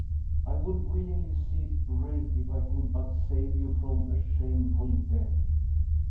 I would willingly see it break if I could but save you from a shameful death."